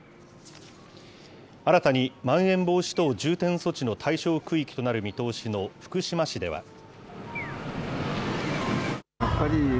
新たにまん延防止等重点措置の対象区域となる見通しの福島市では。